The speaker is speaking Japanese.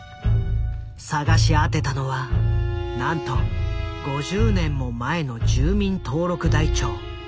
探し当てたのはなんと５０年も前の住民登録台帳。